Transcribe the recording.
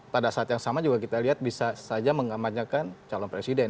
pada saat yang sama juga kita lihat bisa saja mengamajakan calon presiden